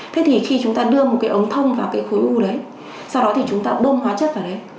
thế thì khi chúng ta đưa một cái ống thông vào cái khối u đấy sau đó thì chúng ta bơm hóa chất vào đấy